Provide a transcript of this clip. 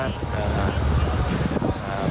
แล้วฝากฝากอะไรที่คุณคนไทยกันกันครับ